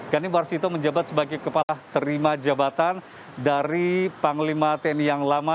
gani warsito menjabat sebagai kepala terima jabatan dari panglima tni yang lama